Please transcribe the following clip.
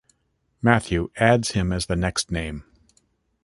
Matthew adds him as the next name.